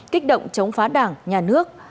kích động chống phá đảng nhà nước